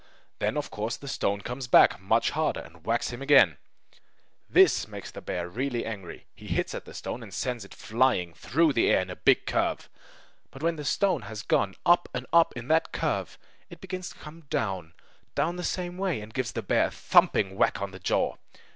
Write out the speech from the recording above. Then of course the stone comes back much harder, and whacks him again. [Illustration: A Bear Fighting a Block of Stone] This makes the bear really angry. He hits at the stone, and sends it flying through the air in a big curve. But when the stone has gone up and up in that curve, it begins to come down, down, the same way and gives the bear a thumping whack on the jaw.